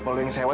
oh kayak gitu ya